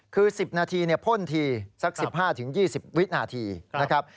คือ๑๐นาทีพ่นทีสัก๑๕๒๐วินาทีนะครับ